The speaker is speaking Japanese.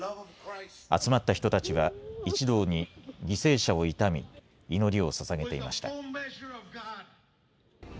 集まった人たちが一同に犠牲者を悼み祈りをささげていました。